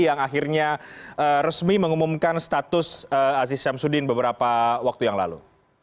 yang akhirnya resmi mengumumkan status aziz syamsuddin beberapa waktu yang lalu